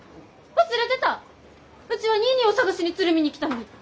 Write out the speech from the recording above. うちはニーニーを捜しに鶴見に来たのに！